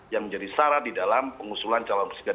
yang menjadi syarat di dalam pengusulan calon presiden